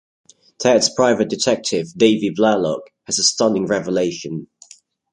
Ted's private detective Davey Blalock has a stunning revelation.